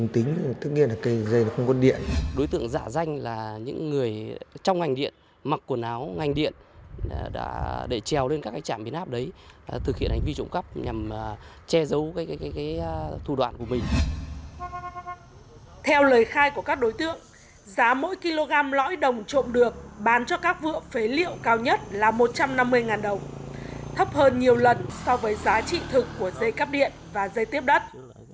theo lời khai của các đối tượng giá mỗi kg lõi đồng trộm được bán cho các vựa phế liệu cao nhất là một trăm năm mươi đồng thấp hơn nhiều lần so với giá trị thực của dây cắp điện và dây tiếp đất